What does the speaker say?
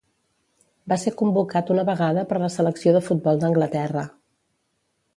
Va ser convocat una vegada per la selecció de futbol d'Anglaterra.